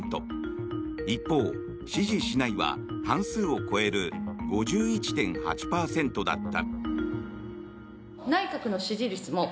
一方、支持しないは半数を超える５１．８％だった。